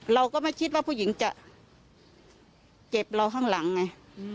เราก็ไม่คิดว่าผู้หญิงจะเจ็บเราข้างหลังไง